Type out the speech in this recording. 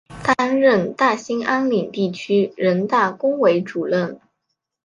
担任大兴安岭地区人大工委主任。